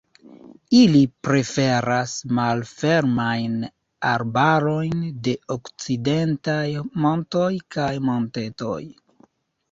Ili preferas malfermajn arbarojn de okcidentaj montoj kaj montetoj.